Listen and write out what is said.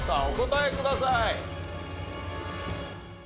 お答えください。